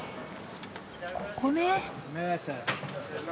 ここね。